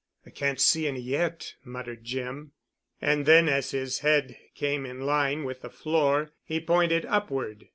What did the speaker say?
"I can't see any yet," muttered Jim. And then, as his head came in line with the floor, he pointed upward.